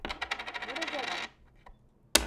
Мөрәжәғәт